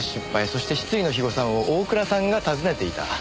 そして失意の肥後さんを大倉さんが訪ねていた。